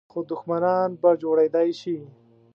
خو دښمنان په جوړېدای شي .